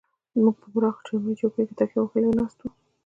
موږ په پراخو چرمي چوکیو کې تکیه وهلې ناست وو.